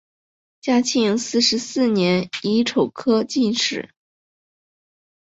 嘉靖四十四年乙丑科进士。